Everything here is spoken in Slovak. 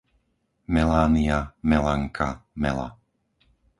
Melánia, Melanka, Mela